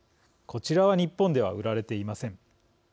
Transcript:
こちらは日本では売られていません。